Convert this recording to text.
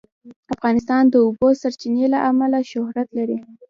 افغانستان د د اوبو سرچینې له امله شهرت لري.